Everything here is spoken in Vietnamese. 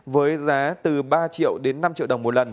với giá từ ba triệu đến năm triệu đồng